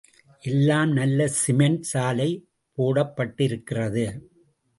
எல்லாம் நல்ல சிமண்ட் சாலை போடப்பட்டிருக்கிறது.